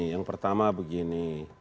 yang pertama begini